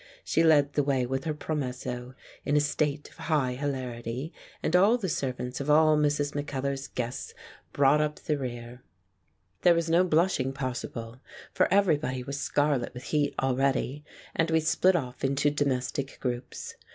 She led the way with her promesso, in a state of high hilarity, and all the servants of all Mrs. Mackellar's guests brought up f 73 The Dance on the Beefsteak the rear. There was no blushing possible, for every body was scarlet with heat already, and we split off into domestic groups.